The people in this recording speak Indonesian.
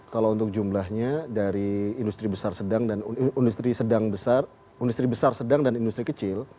kalau untuk jumlahnya dari industri besar sedang dan industri kecil